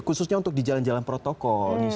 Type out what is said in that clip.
khususnya untuk di jalan jalan protokol